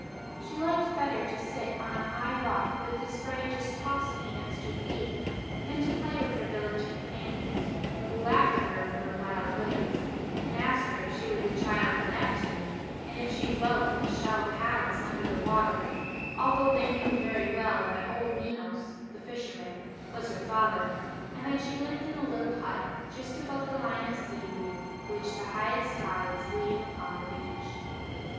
She liked better to sit on a high rock with the spray just tossing against her feet, than to play with her village companions, who laughed at her for her wild ways, and asked her if she were the child of Neptune, and if she dwelt in a shell palace under the water; although they knew very well that old Menos, the fisherman, was her father, and that she lived in a little hut, just above the line of seaweed which the highest tides leave upon the beach.